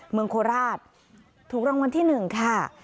เมืองโคราชถูกรางวัลที่๑ค่ะ